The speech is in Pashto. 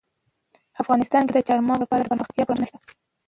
افغانستان کې د چار مغز لپاره دپرمختیا پروګرامونه شته.